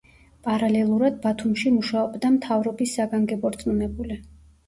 პარალელურად, ბათუმში მუშაობდა მთავრობის საგანგებო რწმუნებული.